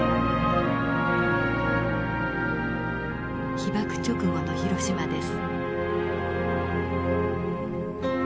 被爆直後の広島です。